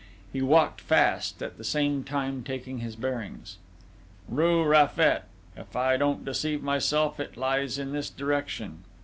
He walked fast, at the same time taking his bearings. "Rue Raffet?... If I don't deceive myself, it lies in this direction!"